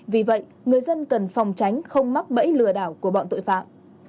vì vậy người dân cần phòng tránh không mắc bẫy lừa đảo của bọn tội phạm